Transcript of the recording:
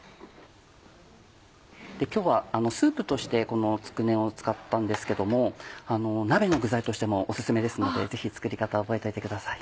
今日はスープとしてつくねを使ったんですけども鍋の具材としてもお薦めですのでぜひ作り方覚えといてください。